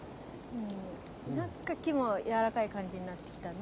何か木もやわらかい感じになってきたね。